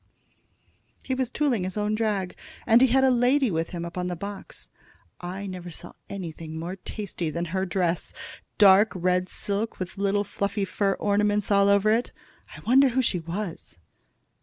"He was tooling his own drag, and he had a lady with him on the box. I never saw anything more tasty than her dress, dark red silk, with little fluffy fur ornaments all over it. I wonder who she was?"